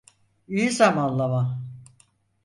İyi zamanlama.